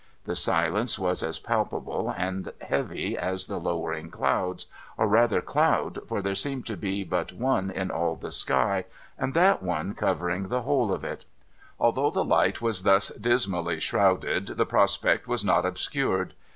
The silence was as palpable and heavy as the lowering clouds — or rather cloud, for there seemed to be but one in all the sky, and that one covering the whole of it. Although the light was thus dismally shrouded, the prospect was not obscured.